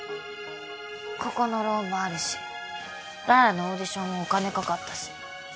ここのローンもあるし羅羅のオーディションもお金掛かったし。